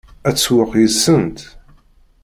Ad tsewweq yid-sent?